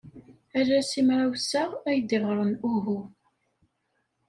Ala simraw-sa ay ideɣren uhu.